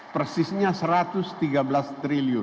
persisnya rp satu ratus tiga belas triliun